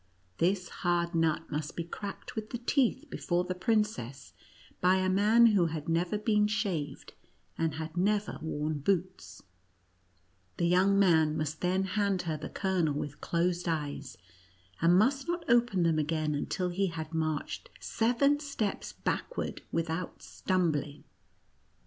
This NUTCEACKEE AND MOUSE KING. 73 hard nut must be cracked with the teeth before the princess, by a man who had never been shaved, and had never worn boots. The young man must then hand her the kernel with closed eyes, and must not open them again until he had marched seven steps backward without stumbling.